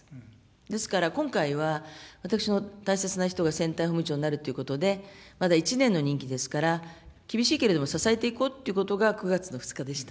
ですから今回は、私の大切な人が選対本部長になるということで、まだ１年の任期ですから、厳しいけれども支えていこうということが９月の２日でした。